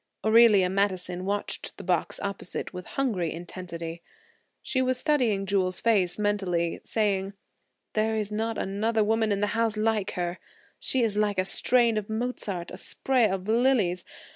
Amelia Madison watched the box opposite with hungry intensity. She was studying Jewel's face mentally saying: "There is not another woman in the house like her. She is like a strain of Mozart, a spray of lilies.